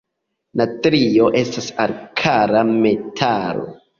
Natrio estas alkala metalo.